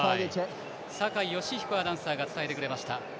酒井良彦アナウンサーが伝えてくれました。